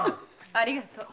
ありがと。